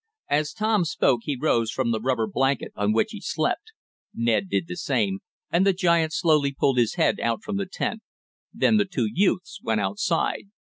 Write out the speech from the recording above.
As Tom spoke he rose from the rubber blanket on which he slept. Ned did the same, and the giant slowly pulled his head out from the tent. Then the two youths went outside.